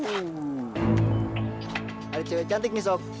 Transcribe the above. ada cewek cantik nih sok